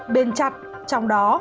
bên chặt trong đó